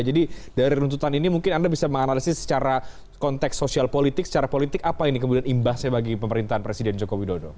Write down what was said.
jadi dari runtutan ini mungkin anda bisa menganalisis secara konteks sosial politik secara politik apa ini kemudian imbasnya bagi pemerintahan presiden jokowi dodo